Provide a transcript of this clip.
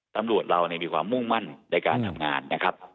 ตำรวจเรามีความมุ่งมั่นในการทำงานนะครับ